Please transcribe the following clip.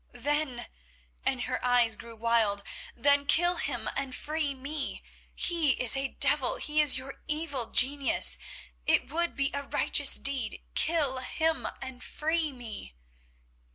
"Then," and her eyes grew wild, "then kill him and free me. He is a devil, he is your evil genius; it would be a righteous deed. Kill him and free me."